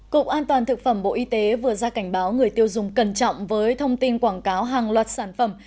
cục an toàn thực phẩm bộ y tế vừa ra cảnh báo người tiêu dùng cẩn trọng với thông tin quảng cáo hàng loạt sản phẩm